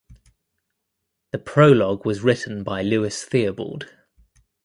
The prologue was written by Lewis Theobald.